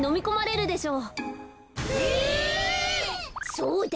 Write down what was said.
そうだ！